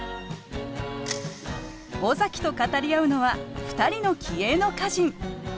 尾崎と語り合うのは２人の気鋭の歌人。